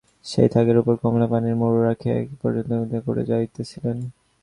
সেই থাকের উপর কমলা পানের মোড়ক রাখিয়া কী একটা পর্যবেক্ষণ করিতে যাইতেছিল।